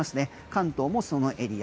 関東もそのエリア。